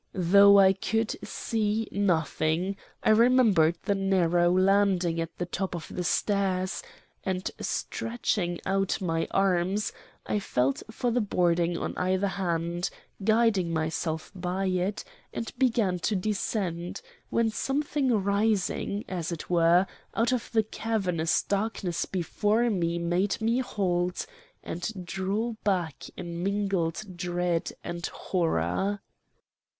Though I could see nothing, I remembered the narrow landing at the top of the stairs, and, stretching out my arms, I felt for the boarding on either hand, guilding myself by it, and began to descend, when something rising, as it were, out of the cavernous darkness before me made me halt and draw back in mingled dread and horror.